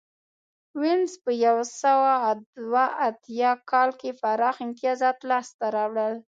وینز په یو سوه دوه اتیا کال کې پراخ امتیازات لاسته راوړل